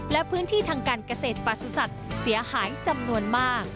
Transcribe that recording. และพื้นที่ทางการเกษตรประสุทธิ์เสียหายจำนวนมาก